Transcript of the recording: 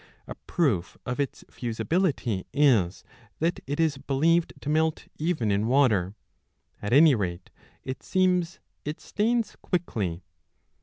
A proof of its fusibility is that it is believed to melt even in water : at any rate, it seems, it stains quickly.